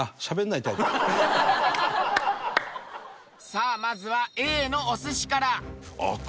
さあまずはＡのお寿司から。